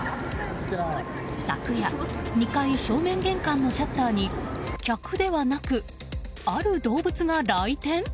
昨夜２階正面玄関のシャッターに客ではなく、ある動物が来店？